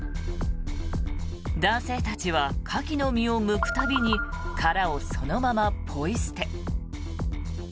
男性たちはカキの身をむく度に殻をそのままポイ捨て。